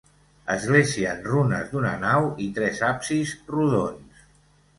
Església en runes d'una nau i tres absis rodons.